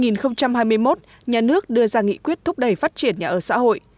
năm hai nghìn hai mươi một nhà nước đưa ra nghị quyết thúc đẩy phát triển nhà ở xã hội